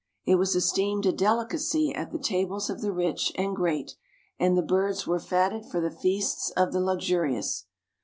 It was esteemed a delicacy at the tables of the rich and great and the birds were fatted for the feasts of the luxurious.